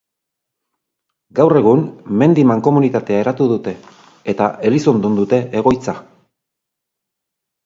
Gaur egun, mendi-mankomunitatea eratu dute, eta Elizondon dute egoitza.